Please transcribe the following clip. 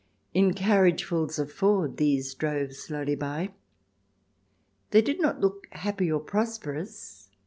In carriagefuls of four these drove slowly by. They did not look happy or prosperous.